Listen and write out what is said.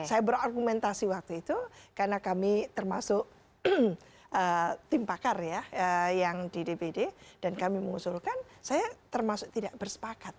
saya berargumentasi waktu itu karena kami termasuk tim pakar ya yang di dpd dan kami mengusulkan saya termasuk tidak bersepakat